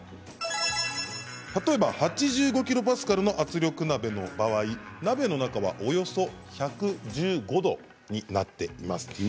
例えば８５キロパスカルの圧力鍋の場合鍋の中はおよそ１１５度になっています。